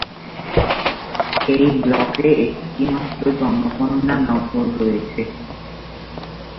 এই ব্লকে একটি মাত্র জনগণনা নগর রয়েছে।